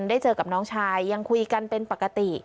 ได้เจอกับน้องชายยังคุยกันเป็นปกติ